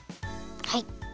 はい。